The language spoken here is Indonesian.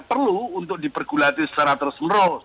perlu untuk dipergulati secara terus menerus